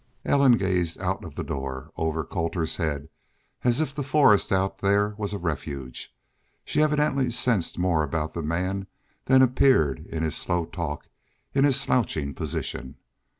Ellen gazed out of the door, over Colter's head, as if the forest out there was a refuge. She evidently sensed more about the man than appeared in his slow talk, in his slouching position.